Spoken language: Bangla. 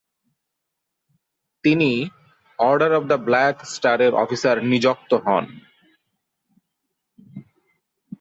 তিনি অর্ডার অফ দ্য ব্ল্যাক স্টারের অফিসার নিযক্ত হন।